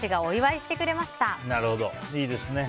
いいですね。